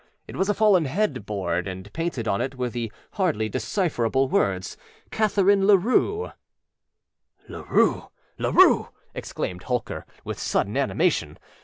It was a fallen headboard, and painted on it were the hardly decipherable words, âCatharine Larue.â âLarue, Larue!â exclaimed Holker, with sudden animation.